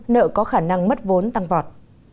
nợ có khả năng mất vốn tăng vọt